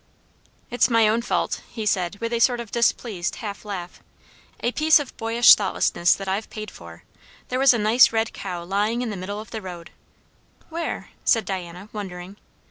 "It's my own fault," he said with a sort of displeased half laugh; "a piece of boyish thoughtlessness that I've paid for. There was a nice red cow lying in the middle of the road" "Where?" said Diana, wondering.